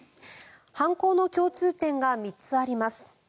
犯行の共通点が３つあります。